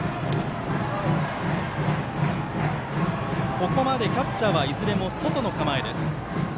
ここまでキャッチャーはいずれも外の構えです。